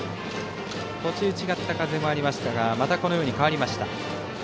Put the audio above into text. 途中違った風がありましたがまた変わりました。